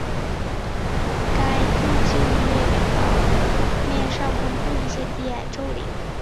该陨坑附近的月海表面上分布有一些低矮的皱岭。